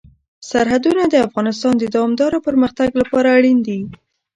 سرحدونه د افغانستان د دوامداره پرمختګ لپاره اړین دي.